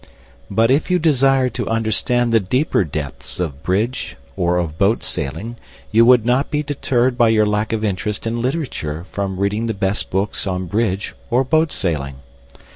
But if you desire to understand the deeper depths of bridge or of boat sailing you would not be deterred by your lack of interest in literature from reading the best books on bridge or boat sailing.